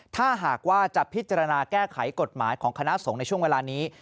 ถ้าหากว่าจะพิจารณาแก้ไขกฎหมายของคณะสงฆ์ในช่วงเวลานี้